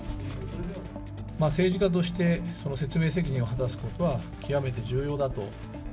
政治家として、説明責任を果たすことは極めて重要だと。